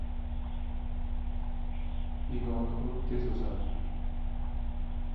• Begona o‘t tez o‘sadi.